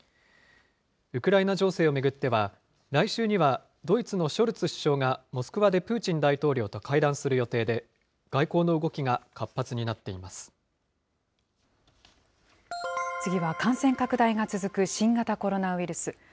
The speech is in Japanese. ウクライナ情勢を巡っては、来週にはドイツのショルツ首相がモスクワでプーチン大統領と会談する予定で、外交の動きが活発になっ次は感染拡大が続く新型コロナウイルス。